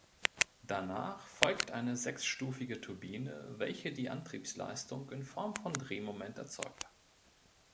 Danach folgt eine sechsstufige Turbine, welche die Antriebsleistung in Form von Drehmoment erzeugt.